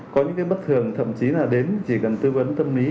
có những cái bất thường thậm chí là đến chỉ cần tư vấn tâm lý